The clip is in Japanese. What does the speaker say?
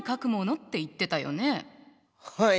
はい。